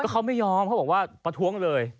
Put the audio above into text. เขาไม่ยอมเขาบอกว่าประท้วงเลย